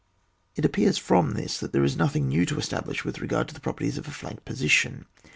It appears from this that there is nothing new to establish with regard to the properties of a flank position.